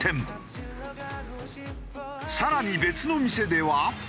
更に別の店では。